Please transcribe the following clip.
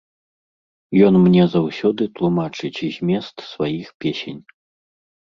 Ён мне заўсёды тлумачыць змест сваіх песень.